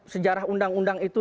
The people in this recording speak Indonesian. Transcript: sejarah undang undang itu